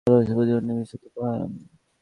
ভালোবাসার প্রতি উনি বিস্মৃতি-পরায়ণ।